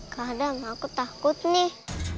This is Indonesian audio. kadang aku takut nih